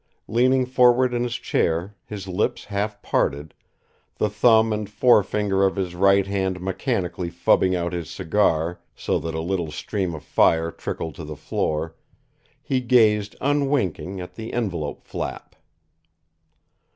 Leaning forward in his chair, his lips half parted, the thumb and forefinger of his right hand mechanically fubbing out his cigar, so that a little stream of fire trickled to the floor, he gazed unwinking at the envelope flap.